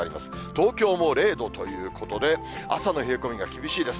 東京も０度ということで、朝の冷え込みが厳しいです。